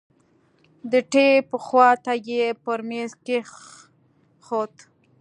د ټېپ خوا ته يې پر ميز کښېښود.